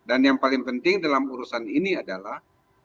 dan yang paling penting dalam urusan ini adalah